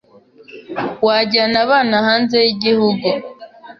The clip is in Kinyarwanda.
Wajyana abana hanze yigihugu